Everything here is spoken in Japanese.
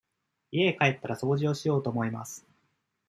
家へ帰ったら掃除をしようと思います。